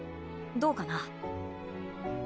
どうかな？